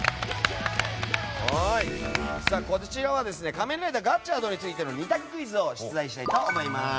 「仮面ライダーガッチャード」についての２択クイズを出題したいと思います。